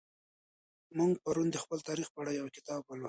موږ پرون د خپل تاریخ په اړه یو کتاب ولوست.